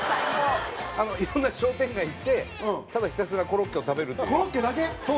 いろんな商店街行ってただひたすらコロッケを食べるっていう。